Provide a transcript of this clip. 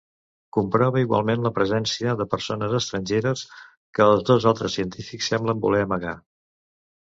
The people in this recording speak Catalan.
Comprova igualment la presència de persones estrangeres, que els dos altres científics semblen voler amagar.